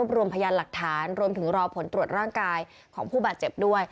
รวมพยานหลักฐานรวมถึงรอผลตรวจร่างกายของผู้บาดเจ็บด้วย